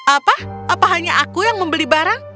apa apa hanya aku yang membeli barang